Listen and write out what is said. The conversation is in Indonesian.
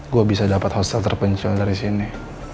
gue bisa dapet hostel terpencil dari sini